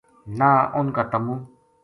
نہ اُنھ کا تمو